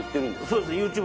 そうです